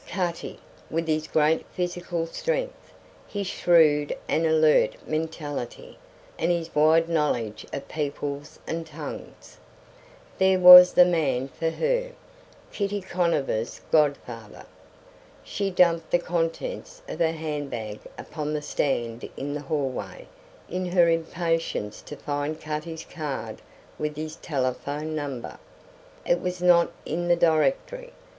Cutty! with his great physical strength, his shrewd and alert mentality, and his wide knowledge of peoples and tongues. There was the man for her Kitty Conover's godfather. She dumped the contents of her handbag upon the stand in the hallway in her impatience to find Cutty's card with his telephone number. It was not in the directory.